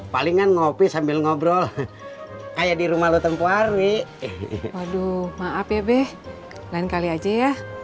palingan ngopi sambil ngobrol kayak di rumah lu tempuh hari waduh maaf ya be lain kali aja ya